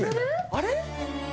あれ？